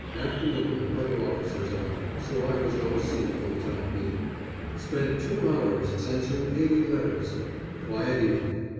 Afternoon, other officers out, so I was O.C. for the time being. Spent two hours censoring eighty letters! Quiet evening.